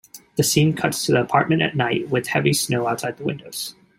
The scene cuts to the apartment at night with heavy snow outside the windows.